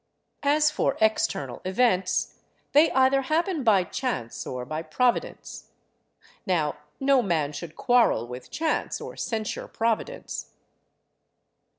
As for external events, they either happen by chance or by providence; now, no man should quarrel with chance or censure providence.